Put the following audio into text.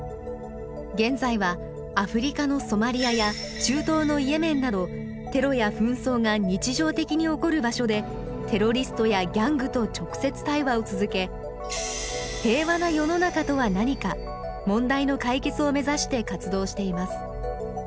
現在はアフリカのソマリアや中東のイエメンなどテロや紛争が日常的に起こる場所でテロリストやギャングと直接対話を続け平和な世の中とは何か問題の解決を目指して活動しています。